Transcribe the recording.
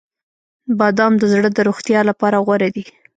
• بادام د زړه د روغتیا لپاره غوره دي.